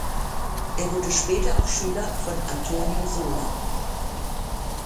Er wurde später auch Schüler von Antonio Soler.